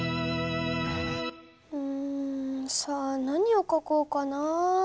うんさあ何をかこうかなあ？